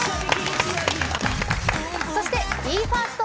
そしてＢＥ：ＦＩＲＳＴ。